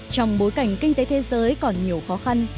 trong bối cảnh kinh tế thế giới còn nhiều khó khăn